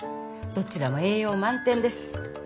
どちらも栄養満点です。